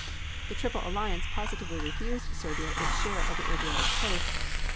The Triple Alliance positively refused Serbia its share of the Adriatic coast.